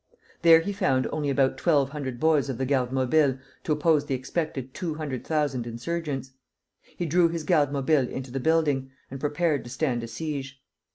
There he found only about twelve hundred boys of the Garde Mobile to oppose the expected two hundred thousand insurgents. He drew his Garde Mobile into the building, and prepared to stand a siege.